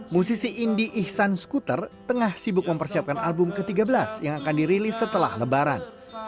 musisi indi ihsan skuter tengah sibuk mempersiapkan album ke tiga belas yang akan dirilis setelah lebaran